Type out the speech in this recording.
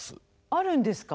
あるんですか。